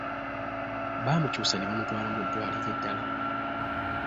Baamukyusa ne bamutwala mu ddwaliro eddala.